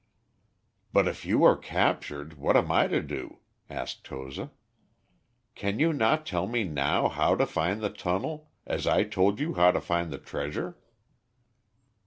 "But if you are captured, what am I to do?" asked Toza. "Can you not tell me now how to find the tunnel, as I told you how to find the treasure?"